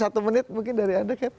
satu menit mungkin dari anda kayak